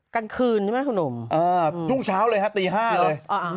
กลางคืนใช่ไหมคุณหนุ่มอ่าช่วงเช้าเลยฮะตีห้าเลยอ่าอืม